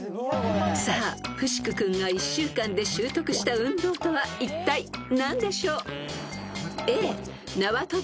［さあプシク君が１週間で習得した運動とはいったい何でしょう？］